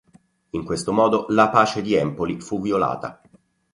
In questo modo la pace di Empoli fu violata.